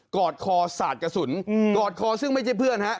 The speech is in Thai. กอดคอศาสตร์กระสุนอืมกอดคอซึ่งไม่ใช่เพื่อนฮะ